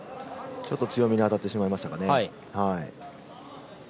ちょっと強めに当たってしまいましたかね。